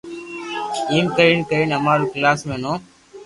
ايم ڪرين ڪرين امارو ڪلاس مي نوم